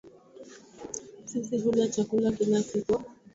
Sisi hula chakula kila siku